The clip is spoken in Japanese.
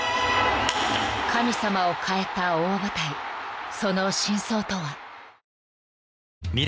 ［神様を変えた大舞台その真相とは？］